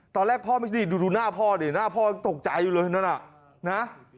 ตอนแรกพ่อไม่ดิดูหน้าพ่อดิหน้าพ่อยังตกใจอยู่เลยนั่นน่ะนะ